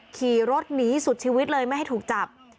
ขี่รถหนีสุดชีวิตเลยไม่ให้ถูกจับ